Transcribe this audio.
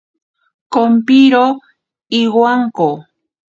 Kompiro iwanko.